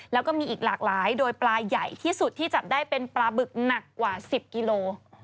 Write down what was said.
แล้วก็มีอีกหลากหลายโดยปลาใหญ่ที่สุดที่จับได้เป็นปลาบึกหนักกว่า๑๐กิโล